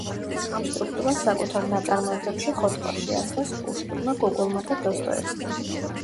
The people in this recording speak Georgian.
ამ სტრუქტურას საკუთარ ნაწარმოებებში ხოტბა შეასხეს პუშკინმა, გოგოლმა და დოსტოევსკიმ.